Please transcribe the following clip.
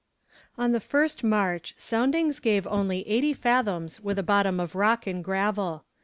On the 1st March soundings gave only eighty fathoms with a bottom of rock and gravel.